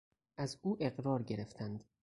از او اقرار گرفتند.